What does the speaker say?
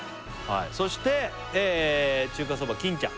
そして中華そば金ちゃん